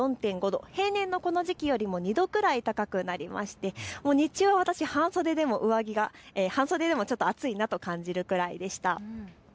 平年のこの時期より２度くらい高くなりまして日中は私、半袖でもちょっと暑いなと感じるくらいでした。